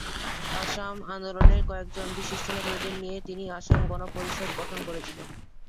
অসম আন্দোলনের কয়েকজন বিশিষ্ট নেতাদের নিয়ে তিনি অসম গণ পরিষদ গঠন করেছিলেন।